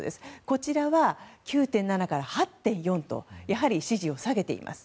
こちらは９．７から８．４とやはり支持を下げています。